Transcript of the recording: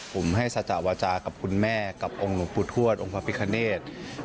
ผมให้สัจจาวจากับคุณแม่กับองค์หนูปูถวัดองค์ภาพิกัณิชย์